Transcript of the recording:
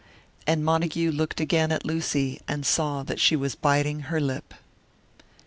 And Montague looked again at Lucy, and saw that she was biting her lip.